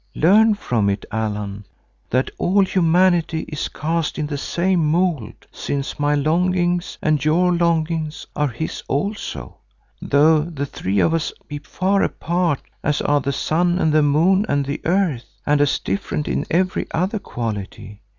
Learn from it, Allan, that all humanity is cast in the same mould, since my longings and your longings are his also, though the three of us be far apart as are the sun and the moon and the earth, and as different in every other quality.